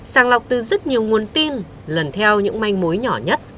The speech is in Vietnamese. sàng lọc từ rất nhiều nguồn tin lần theo những manh mối nhỏ nhất